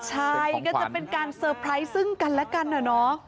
ใช่ก็จะเป็นการเซอร์ไพรส์ซึ่งกันและกันอะเนาะ